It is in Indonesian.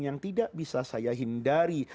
yang tidak bisa saya hindari